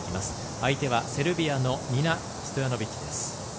相手はセルビアのニナ・ストヤノビッチです。